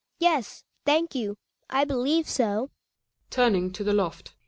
Yes, thank you, I believe so. Gregers {turning to the loft).